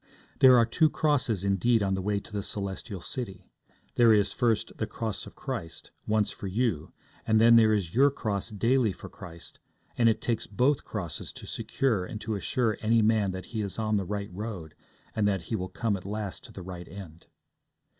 There are two crosses, indeed, on the way to the Celestial City; there is, first, the Cross of Christ, once for you, and then there is your cross daily for Christ, and it takes both crosses to secure and to assure any man that he is on the right road, and that he will come at last to the right end.